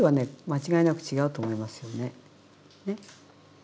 間違いなく違うと思いますよね。